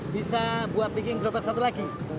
bisa buat bikin droplet satu lagi